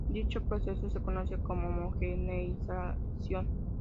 Dicho proceso se conoce como homogeneización.